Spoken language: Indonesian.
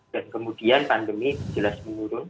dan kemudian pandemi jelas menurun